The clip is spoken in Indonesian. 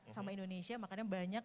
sama indonesia makanya banyak